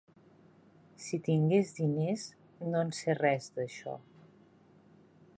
Si tingués diners, no en sé res, d'això.